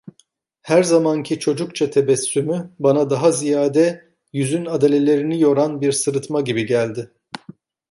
Her zamanki çocukça tebessümü bana daha ziyade yüzün adalelerini yoran bir sırıtma gibi geldi.